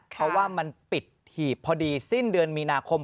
เพราะว่ามันปิดถีบพอดีสิ้นเดือนมีนาคม